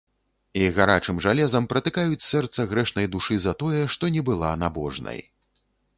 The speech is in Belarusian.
І гарачым жалезам пратыкаюць сэрца грэшнай душы за тое, што не была набожнай.